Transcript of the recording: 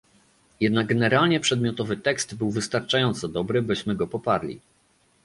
Jednak generalnie przedmiotowy tekst był wystarczająco dobry, byśmy go poparli